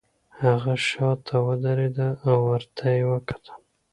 هغه شاته ودریده او ورته یې وکتل